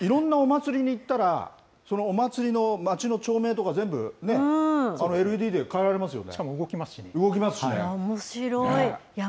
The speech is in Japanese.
そうか、だからいろんなお祭りに行ったら、そのお祭りの町の町名とか全部ね、ＬＥＤで変えられますよね。